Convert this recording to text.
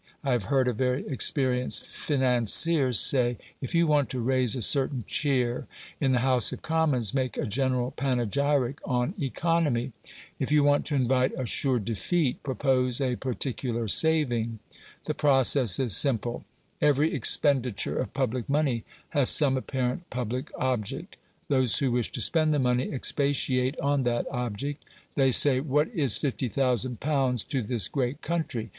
I have heard a very experienced financier say, "If you want to raise a certain cheer in the House of Commons make a general panegyric on economy; if you want to invite a sure defeat, propose a particular saving". The process is simple. Every expenditure of public money has some apparent public object; those who wish to spend the money expatiate on that object; they say, "What is 50,000 pounds to this great country?